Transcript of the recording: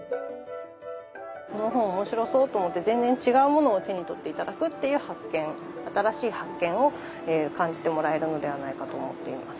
この本面白そうと思って全然違うものを手に取って頂くっていう発見新しい発見を感じてもらえるのではないかと思っています。